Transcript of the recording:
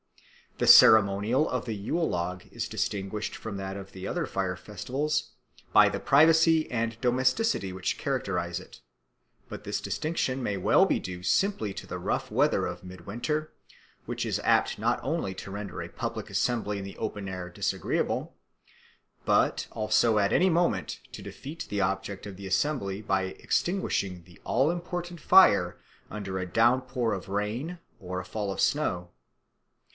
The ceremonial of the Yule log is distinguished from that of the other fire festivals by the privacy and domesticity which characterise it; but this distinction may well be due simply to the rough weather of midwinter, which is apt not only to render a public assembly in the open air disagreeable, but also at any moment to defeat the object of the assembly by extinguishing the all important fire under a downpour of rain or a fall of snow.